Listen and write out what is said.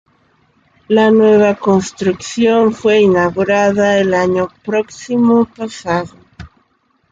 La nueva construcción fue inaugurada el año próximo-pasado.